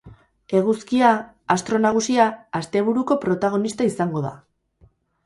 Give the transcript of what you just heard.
Eguzkia, astro nagusia, asteburuko protagonista izango da.